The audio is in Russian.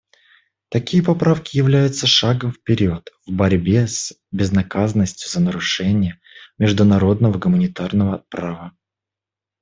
Такие поправки являются шагом вперед в борьбе с безнаказанностью за нарушения международного гуманитарного права.